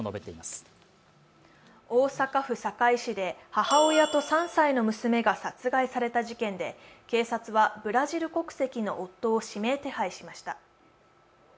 大阪府堺市で母親と３歳の娘が殺害された事件で警察はブラジル国籍の夫を指名手配しました。